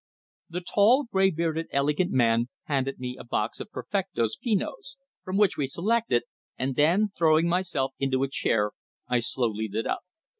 The tall, grey bearded, elegant man handed me a box of Perfectos Finos, from which we selected, and then, throwing myself into a chair, I slowly lit up.